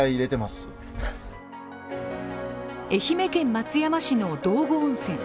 愛媛県松山市の道後温泉。